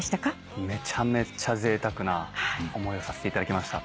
めちゃめちゃぜいたくな思いをさせていただきました。